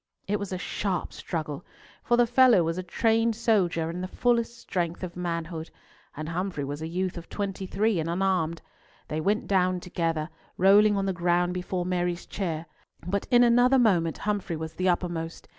It was a sharp struggle, for the fellow was a trained soldier in the full strength of manhood, and Humfrey was a youth of twenty three, and unarmed. They went down together, rolling on the ground before Mary's chair; but in another moment Humfrey was the uppermost.